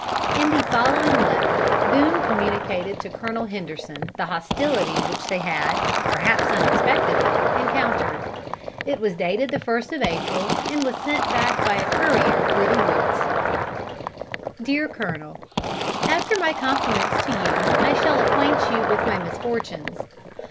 In the following letter Boone communicated to Colonel Henderson the hostility which they had, perhaps unexpectedly, encountered. It was dated the first of April, and was sent back by a courier through the woods: "Dear Colonel, "After my compliments to you, I shall acquaint you with my misfortunes.